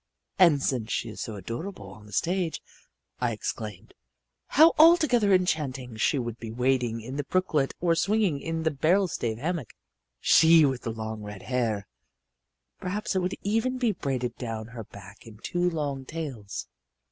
"And since she is so adorable on the stage," I exclaimed, "how altogether enchanting she would be wading in the brooklet or swinging in the barrel stave hammock she with the long, red hair! Perhaps it would even be braided down her back in two long tails."